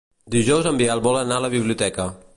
Dijous en Biel vol anar a la biblioteca.